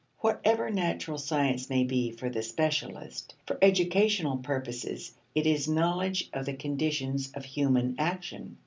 Whatever natural science may be for the specialist, for educational purposes it is knowledge of the conditions of human action.